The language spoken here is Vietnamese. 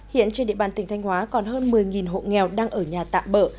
hiện trên địa bàn tỉnh thanh hóa còn hơn một mươi hộ nghèo đang ở nhà tạm bỡ